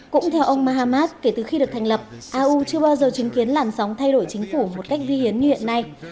cũng theo ông mahamad kể từ khi được thành lập au chưa bao giờ chứng kiến làn sóng thay đổi chính phủ một cách vi hiến như hiện nay